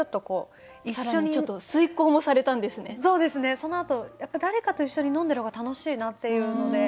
そのあとやっぱ誰かと一緒に飲んでる方が楽しいなっていうので。